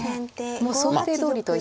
もう想定どおりという。